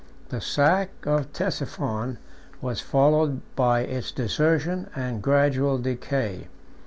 26 The sack of Ctesiphon was followed by its desertion and gradual decay.